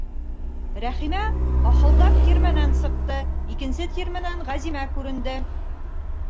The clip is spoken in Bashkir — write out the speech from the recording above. Рәхимә ахылдап тирмәнән сыҡты, икенсе тирмәнән Ғәзимә күренде.